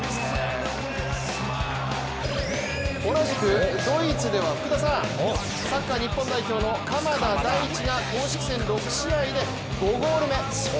同じくドイツでは、サッカー日本代表の鎌田大地が公式戦６試合で５ゴール目。